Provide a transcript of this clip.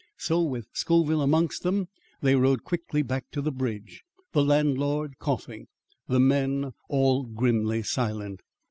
So with Scoville amongst them they rode quickly back to the bridge, the landlord coughing, the men all grimly silent.